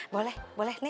boleh boleh nih